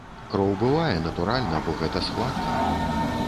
Кроў бывае, натуральна, бо гэта схватка.